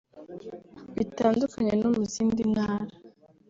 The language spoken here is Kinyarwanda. Bitandukanye no mu zindi Ntara